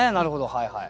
はいはい。